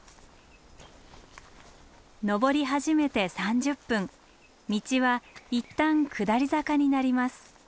登り始めて３０分道は一旦下り坂になります。